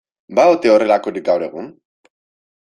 Ba ote horrelakorik gaur egun?